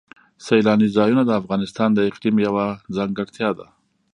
سیلاني ځایونه د افغانستان د اقلیم یوه ځانګړتیا ده.